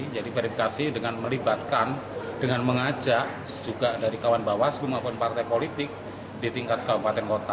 verifikasi dengan melibatkan dengan mengajak juga dari kawan bawaslu maupun partai politik di tingkat kabupaten kota